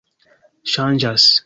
ŝanĝas